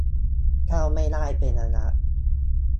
เข้าไม่ได้เป็นระยะ